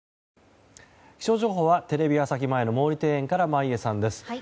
気象情報はテレビ朝日前の毛利庭園から眞家さんです。